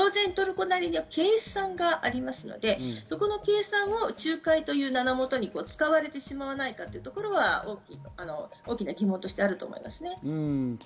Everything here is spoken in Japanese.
トルコなりの計算がありますので、その計算を仲介という名のもとに使われてしまわないかというところは大きな疑問としてあると思います。